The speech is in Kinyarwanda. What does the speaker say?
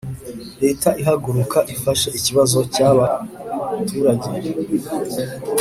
leta ihaguruka ifashe ikibazo cyaba turajye